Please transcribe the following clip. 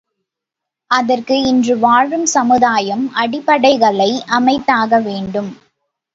அதற்கு இன்று வாழும் சமுதாயம் அடிப்படைகளை அமைத்தாக வேண்டும்.